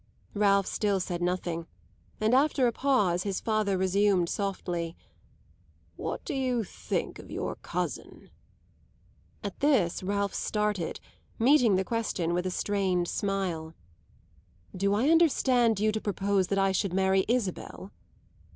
Ralph still said nothing; and after a pause his father resumed softly: "What do you think of your cousin?" At this Ralph started, meeting the question with a strained smile. "Do I understand you to propose that I should marry Isabel?"